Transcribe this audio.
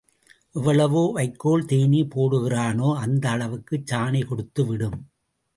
எவ்வளவு, வைக்கோல் தீனி போடுகிறானோ அந்த அளவுக்கு சாணி கொடுத்து விடும்.